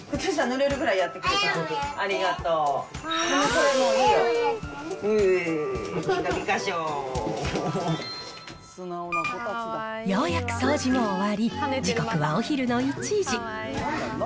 はい、ようやく掃除が終わり、時刻はお昼の１時。